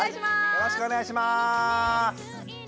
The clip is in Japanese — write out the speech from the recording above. よろしくお願いします。